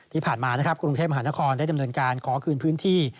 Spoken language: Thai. ที่ผ่านมานะครับกรุงเทพมหานครได้ดำเนินการขอคืนพื้นที่